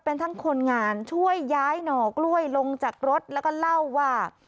เป็นทั้งคนงานช่วยย้ายหน่อกล้วยลงจากรถแล้วก็เล่าว่า